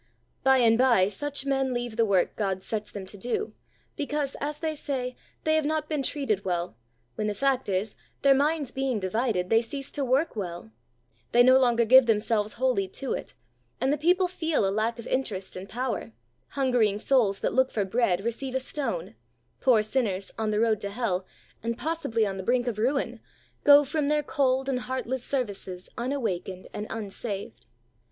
By and bye such men leave the work God sets them to do, because, as they say, they have not been treated well, when the fact is, their minds being divided, they cease to work well; they no longer give themselves wholly to it, and the people feel a lack of interest and power, hungering souls that look for bread receive a stone, poor sinners, on the road to Hell, and possibly on the brink of ruin, go from their cold and heart less services unawakened and unsaved. AN UNDIVIDED HEART.